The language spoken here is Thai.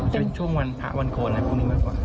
จะเป็นช่วงวันพระวันโคน